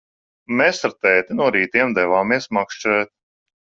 Mēs ar tēti no rītiem devāmies makšķerēt.